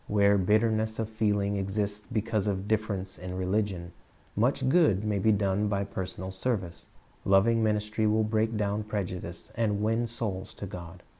Where bitterness of feeling exists because of difference in religion, much good may be done by personal service. Loving ministry will break down prejudice, and win souls to God.